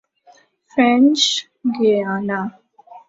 French Guiana